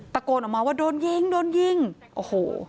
ตะโกนออกมาว่าโดนยิงโอ้โฮ